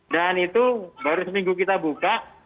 dan itu baru seminggu kita buka